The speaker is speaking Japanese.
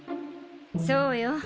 そうよ。